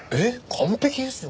完璧ですよ。